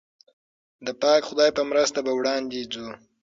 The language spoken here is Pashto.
د پاک خدای په مرسته به وړاندې ځو.